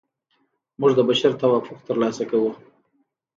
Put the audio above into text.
موږ د بشر توافق ترلاسه کوو.